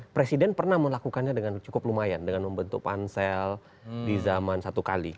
presiden pernah melakukannya dengan cukup lumayan dengan membentuk pansel di zaman satu kali